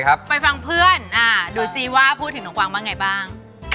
ไปฟังเพื่อนดูซิว่าพูดถึงน้องกวางว่าไงบ้าง